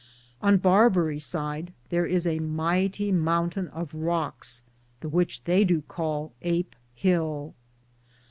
On Barbaric side Thar is a myghtie mountayn of Rockes, the which theye do call Ape hill.